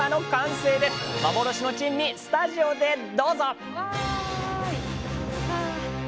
幻の珍味スタジオでどうぞ！